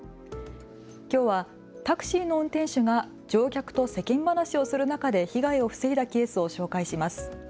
きょうはタクシーの運転手が乗客と世間話をする中で被害を防いだケースを紹介します。